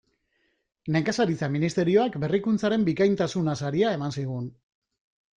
Nekazaritza Ministerioak Berrikuntzaren bikaintasuna saria eman zigun.